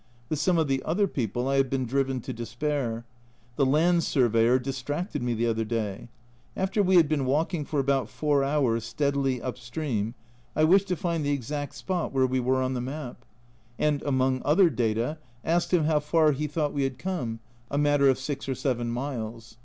With some of the other people I have been driven to despair. The land surveyor dis tracted me the other day. After we had been walking for about four hours steadily up stream, I wished to find the exact spot where we were on the map, and, among other data, asked him how far he thought A Journal from Japan 23 we had come (a matter of 6 or 7 miles).